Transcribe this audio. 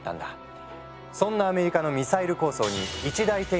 そんなアメリカのミサイル構想に一大転機が訪れる。